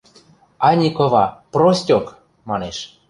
– Ани кыва, простьок! – манеш.